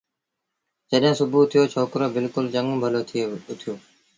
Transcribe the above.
جڏهيݩ سُڀو ٿيو ڇوڪرو بلڪُل چڱوُن ڀلو ٿئي اُٿيو